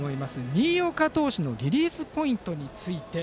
新岡投手のリリースポイントについて。